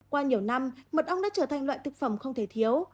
qua nhiều năm mật ong đã trở thành loại thực phẩm không thể thiếu